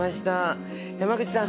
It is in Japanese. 山口さん